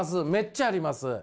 めっちゃあります！